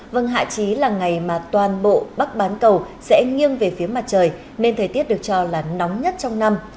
vâng hạ trí là ngày mà toàn bộ bắc bán cầu sẽ nghiêng về phía mặt trời nên thời tiết được cho là nóng nhất trong năm